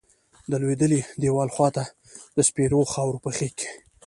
د لویدلیی دیوال خواتہ د سپیرو خاور پہ غیز کیی